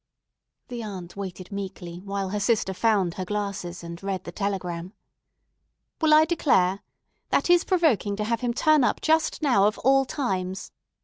The aunt waited meekly while her sister found her glasses, and read the telegram. "Well, I declare! That is provoking to have him turn up just now of all times.